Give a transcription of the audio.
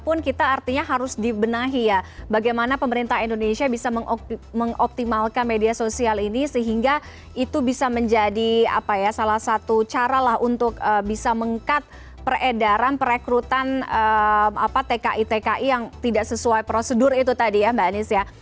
walaupun kita artinya harus dibenahi ya bagaimana pemerintah indonesia bisa mengoptimalkan media sosial ini sehingga itu bisa menjadi salah satu cara lah untuk bisa meng cut peredaran perekrutan tki tki yang tidak sesuai prosedur itu tadi ya mbak anies ya